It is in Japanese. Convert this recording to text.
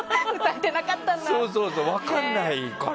分かんないから。